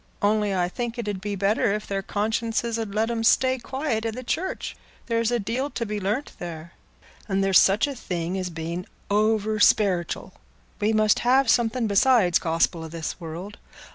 Only I think it 'ud be better if their consciences 'ud let 'em stay quiet i' the church—there's a deal to be learnt there. And there's such a thing as being oversperitial; we must have something beside Gospel i' this world.